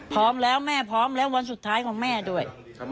พร้อมแล้วแม่พร้อมแล้ววันสุดท้ายของแม่ด้วย